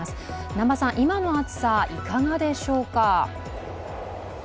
南波さん、今の暑さいかがでしょうか？